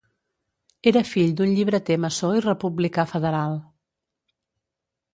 Era fill d'un llibreter maçó i republicà federal.